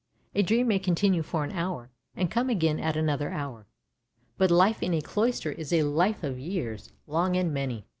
A dream may continue for an hour, and come again at another hour; but life in a cloister is a life of years, long and many.